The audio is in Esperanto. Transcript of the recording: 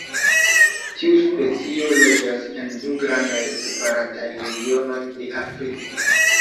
Tiu specio loĝas en du grandaj separataj regionoj de Afriko.